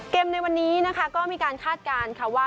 ในวันนี้นะคะก็มีการคาดการณ์ค่ะว่า